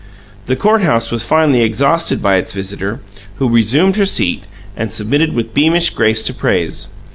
The court house was finally exhausted by its visitor, who resumed her seat and submitted with beamish grace to praise.